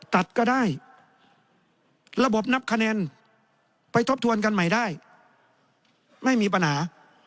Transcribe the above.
ตัดก็ได้ระบบนับคะแนนไปทบทวนกันใหม่ได้ไม่มีปัญหา